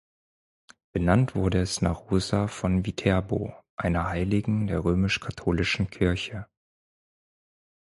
Benannt wurde es nach Rosa von Viterbo, einer Heiligen der römisch-katholischen Kirche.